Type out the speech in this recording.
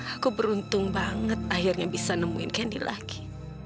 aku beruntung banget akhirnya bisa nemuin kendi lagi